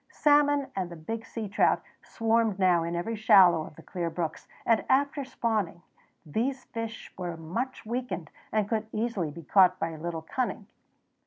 Salmon and big sea trout swarmed now in every shallow of the clear brooks, and, after spawning, these fish were much weakened and could easily be caught by a little cunning.